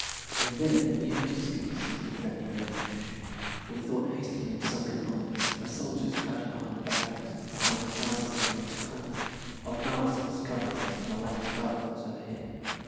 And then, the empty street seemed to threaten an ambush. We thought hastily of sunken mines, of soldiers crouching behind the barriers, behind the houses at the next corner, of Mausers covering us from the latticed balconies overhead.